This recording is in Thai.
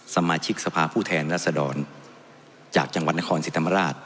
สมาชิกสภาพผู้แทนรัศดรจากจังหวัดนครศรีธรรมราช